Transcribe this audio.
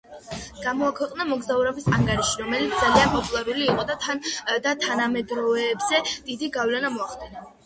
გამოაქვეყნა მოგზაურობის ანგარიში, რომელიც ძალიან პოპულარული იყო და თანამედროვეებზე დიდი გავლენა მოახდინა.